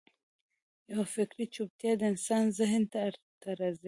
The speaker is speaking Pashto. یوه فکري چوپتیا د انسان ذهن ته راځي.